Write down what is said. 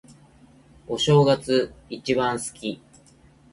お正月、一番好き。